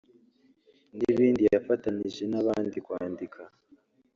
n’ibindi yafatanyije n’abandi kwandika